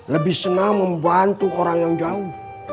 lebih senang membantu orang yang jauh